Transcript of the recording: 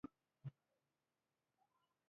پیلوټ آسمان ته خیژي.